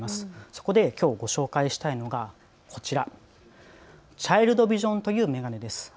そこできょうご紹介したいのがこちら、チャイルドビジョンという眼鏡です。